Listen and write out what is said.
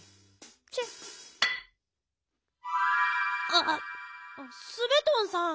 ああスベトンさん。